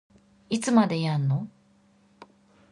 いつまでやんの